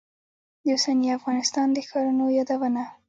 د اوسني افغانستان د ښارونو یادونه.